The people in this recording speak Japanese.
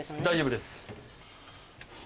大丈夫です。